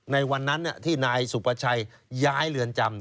ในวันนั้นที่นายสุประชัยย้ายเรือนจำ